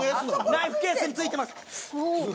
ナイフケースに付いてます！